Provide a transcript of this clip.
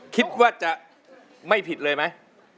คิดว่าจะไม่ผิดเลยไหม